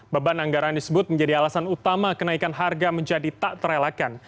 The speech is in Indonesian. beban anggaran disebut menjadi alasan utama kenaikan harga menjadi tak terelakkan